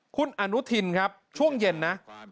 คุณอนุทินครับช่วงเย็นนะ